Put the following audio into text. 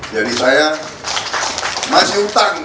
jadi saya masih utang